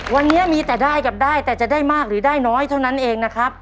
วันนี้มีแต่ได้กับได้แต่จะได้มากหรือได้น้อยเท่านั้นเองนะครับ